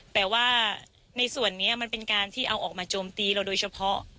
แต่ว่าในส่วนนี้มันเป็นการที่เอาออกมาโจมตีเราโดยเฉพาะ